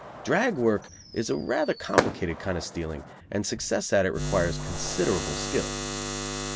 "Drag" work is a rather complicated kind of stealing and success at it requires considerable skill.